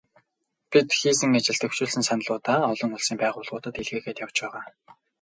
Бид хийсэн ажил, дэвшүүлсэн саналуудаа олон улсын байгууллагуудад илгээгээд явж байгаа.